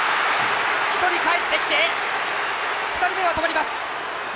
１人かえってきて２人目は止まります！